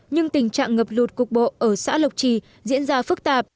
nhưng tình trạng ngập lụt cục bộ ở xã lộc trì diễn ra phức tạp